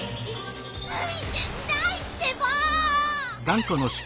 ついてないってば！